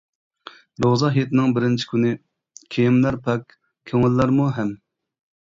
روزا ھېيتنىڭ بىرىنچى كۈنى، كىيىملەر پاك كۆڭۈللەرمۇ ھەم.